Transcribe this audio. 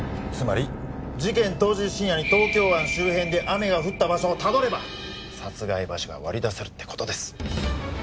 つまり事件当日深夜に東京湾周辺で雨が降った場所をたどれば殺害場所が割り出せるって事です。